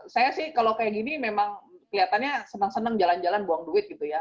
saya sih kalau kayak gini memang kelihatannya senang senang jalan jalan buang duit gitu ya